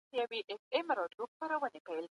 هغه کسان چې مسموم شوي دي، اوس ښه دي.